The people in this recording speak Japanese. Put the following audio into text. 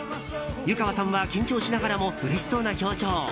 湯川さんは緊張しながらもうれしそうな表情。